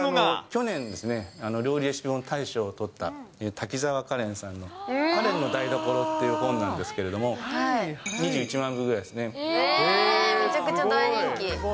去年ですね、料理レシピ本大賞を取った滝沢カレンさんのカレンの台所っていう本なんですけれども、めちゃくちゃ大人気。